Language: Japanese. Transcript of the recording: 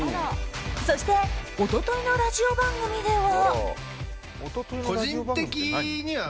そして、一昨日のラジオ番組では。